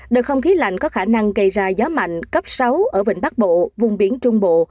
đợt không khí lạnh có khả năng gây ra gió mạnh cấp sáu ở vịnh bắc bộ vùng biển trung bộ